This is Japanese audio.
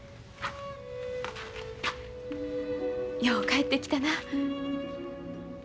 よう帰ってきたな。